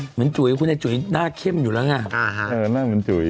เหมือนจุ๋ยคุณไอ้จุ๋ยหน้าเข้มอยู่แล้ว